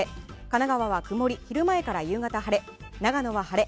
神奈川は曇り、昼前から夕方晴れ長野は晴れ